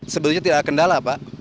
sebenarnya tidak ada kendala pak